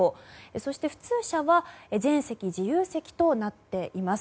そして普通車は全席自由席となっています。